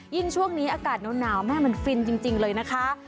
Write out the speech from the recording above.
ช่วงนี้อากาศหนาวแม่มันฟินจริงเลยนะคะ